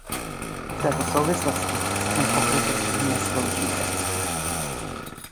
V této souvislosti mu pokrytectví neslouží ke cti.